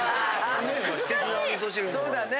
そうだね。